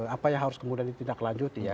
apa yang harus kemudian ditindaklanjuti